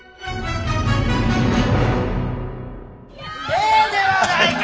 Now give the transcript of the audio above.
ええではないか！